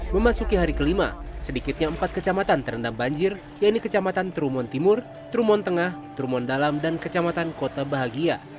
memasuki hari kelima sedikitnya empat kecamatan terendam banjir yaitu kecamatan trumon timur trumon tengah trumon dalam dan kecamatan kota bahagia